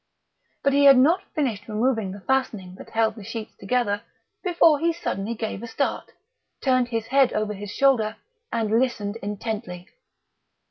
But he had not finished removing the fastening that held the sheets together before he suddenly gave a start, turned his head over his shoulder, and listened intently.